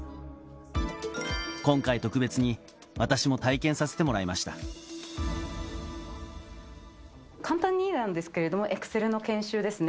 今回、特別に私も体験させてもら簡単になんですけれども、エクセルの研修ですね。